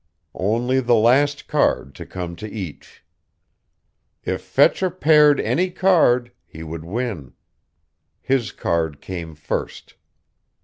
Only the last card to come to each. If Fetcher paired any card, he would win. His card came first.